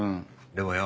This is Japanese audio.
でもよ